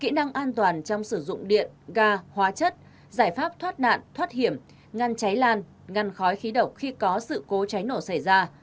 kỹ năng an toàn trong sử dụng điện ga hóa chất giải pháp thoát nạn thoát hiểm ngăn cháy lan ngăn khói khí độc khi có sự cố cháy nổ xảy ra